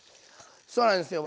そうなんですよ。